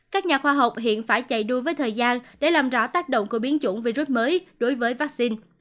các nhà khoa học hiện phải chạy đua với thời gian để làm rõ tác động của biến chủng virus mới đối với vaccine